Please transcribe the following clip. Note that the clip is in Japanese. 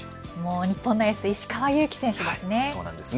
日本のエース石川祐希選手ですね。